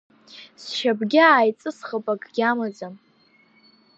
Сшьапгьы ааиҵысхып, акгьы амаӡам.